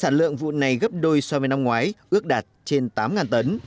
sản lượng vụ này gấp đôi so với năm ngoái ước đạt trên tám tấn